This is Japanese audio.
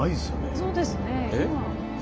そうですね今。